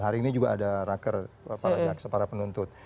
hari ini juga ada raker para jaksa para penuntut